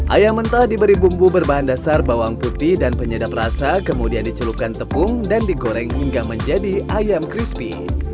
ayam mentah diberi bumbu berbahan dasar bawang putih dan penyedap rasa kemudian dicelupkan tepung dan digoreng hingga menjadi ayam crispy